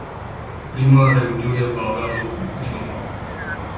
Prima reuniune va avea loc în primăvară.